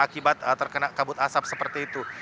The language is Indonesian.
tiba tiba terkena kabut asap seperti itu